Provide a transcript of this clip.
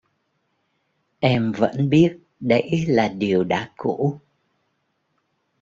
Em vẫn biết đấy là điều đã cũ